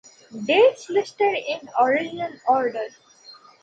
Dates listed in original order.